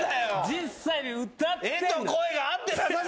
実際に歌ってんの。